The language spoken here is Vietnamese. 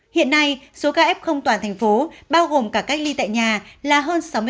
hiện nay số ca f toàn thành phố bao gồm cả cách ly tại nhà là hơn sáu mươi bốn f